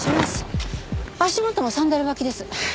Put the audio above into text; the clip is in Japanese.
足元もサンダル履きです。